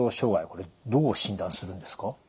これどう診断するんですか？